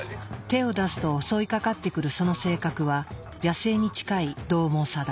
手を出すと襲いかかってくるその性格は野生に近い獰猛さだ。